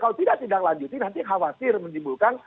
kalau tidak tindak lanjuti nanti khawatir menimbulkan